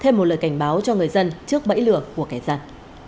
thêm một lời cảnh báo cho người dân trước bẫy lửa của kẻ dân